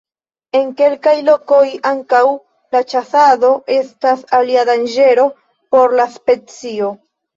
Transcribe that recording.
En kelkaj lokoj ankaŭ la ĉasado estas alia danĝero por la specio.